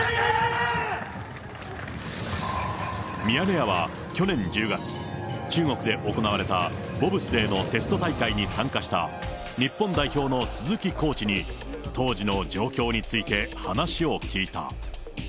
ミヤネ屋は去年１０月、中国で行われたボブスレーのテスト大会に参加した、日本代表の鈴木コーチに当時の状況について話を聞いた。